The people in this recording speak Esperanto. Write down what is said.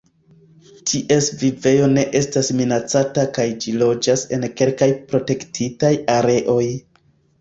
Ties vivejo ne estas minacata kaj ĝi loĝas en kelkaj protektitaj areoj.